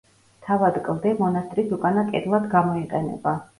თავად კლდე მონასტრის უკანა კედლად გამოიყენება.